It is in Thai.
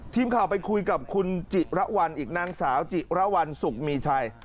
ทีมข่าวไปคุยกับคุณจิระวัลอีกนางสาวจิระวัลสุขมีชัย